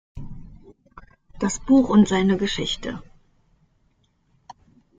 Das Buch und seine Geschichte.